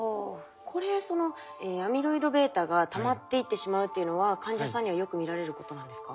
これそのアミロイドβがたまっていってしまうというのは患者さんにはよく見られることなんですか？